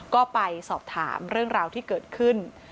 ก็ไปสอบถามเรื่องราวที่เกิดขึ้น